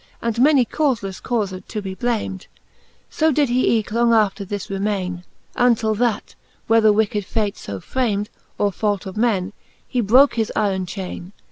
And many caufelefte caufed to be blamed : So did he eeke long after this remaine, Untill that, whether wicked fate fo framed, Or fault of men, he broke his yron chaine.